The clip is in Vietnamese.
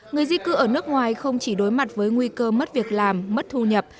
người di cư ở nước ngoài không chỉ đối mặt với nguy cơ mất việc làm mất thu nhập